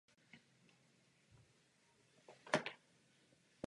Místo obsahuje četné archeologické nálezy.